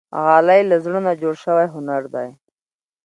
غالۍ له زړه نه جوړ شوی هنر دی.